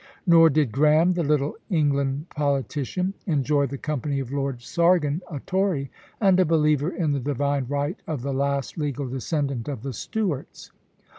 Nor did Graham, the Little England politician, enjoy the company of Lord Sargon, a Tory, and a believer in the divine right of the last legal descendant of the Stuarts.